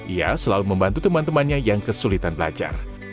ia selalu membantu teman temannya yang kesulitan belajar